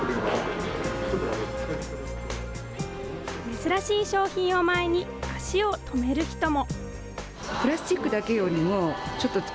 珍しい商品を前に、足を止める人も。